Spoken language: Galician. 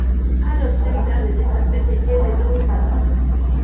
A lonxevidade desta especie é de dous anos.